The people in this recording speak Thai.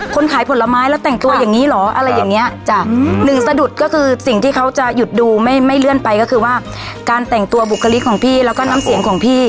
คนขายผลไม้แล้วแต่งตัวอย่างนี้เหรออะไรอย่างเงี้ยจ้ะหนึ่งสะดุดก็คือสิ่งที่เขาจะหยุดดูไม่ไม่เลื่อนไปก็คือว่าการแต่งตัวบุคลิกของพี่แล้วก็น้ำเสียงของพี่